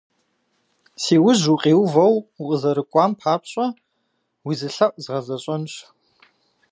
Си ужь укъиувэу укъызэрыкӀуам папщӀэ, уи зы лъэӀу згъэзэщӀэнщ.